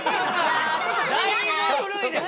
だいぶ古いですね。